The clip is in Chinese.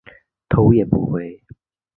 头也不回